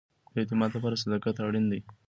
د اعتماد لپاره صداقت اړین دی